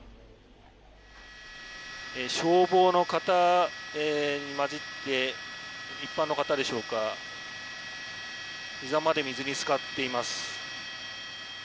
消防の方に交じって一般の方でしょうかひざまで水につかっています。